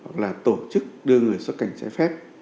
hoặc là tổ chức đưa người xuất cảnh trái phép